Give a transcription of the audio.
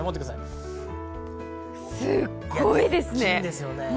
すごいですね。